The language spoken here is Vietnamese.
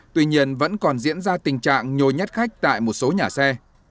tuy nhiên vẫn còn diễn ra tình trạng nhồi nhét khách tại một số nhà xe